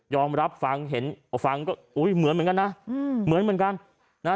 ยอมรับฟังเห็นฟังเหมือนเหมือนกันนะ